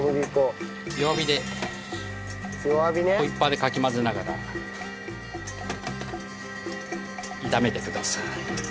弱火でホイッパーでかき混ぜながら炒めてください。